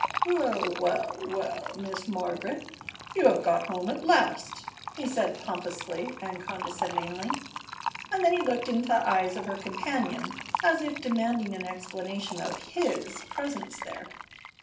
"Well, well, well, Miss Margaret, you have got home at last!" he said, pompously and condescendingly, and then he looked into the eyes of her companion as if demanding an explanation of his presence there.